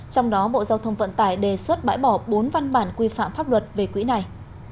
trong đó bộ giao thông vận tải đề xuất bãi bỏ bốn văn bản quy phạm pháp luật về quỹ này